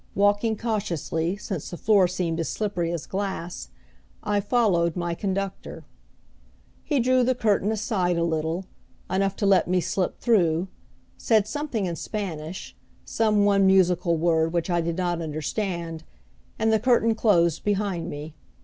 Walking cautiously, since the floor seemed as slippery as glass, I followed my conductor. He drew the curtain aside a little enough to let me slip through said something in Spanish, some one musical word which I did not understand, and the curtain closed behind me.